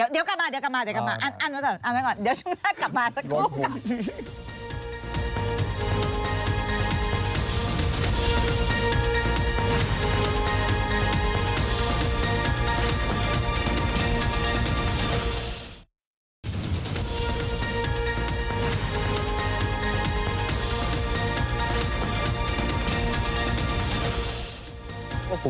เดี๋ยวก่อนออกก่อนเดี๋ยวผมกำลังกลับมาสักครู่